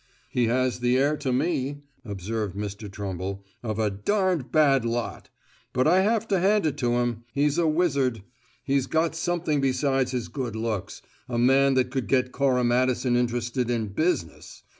"He has the air to me," observed Mr. Trumble, "of a darned bad lot! But I have to hand it to him: he's a wizard. He's got something besides his good looks a man that could get Cora Madison interested in `business'!